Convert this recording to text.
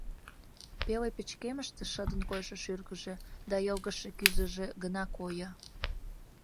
Пеле пычкемыште шыдын койшо шӱргыжӧ да йылгыжше кӱзыжӧ гына койо.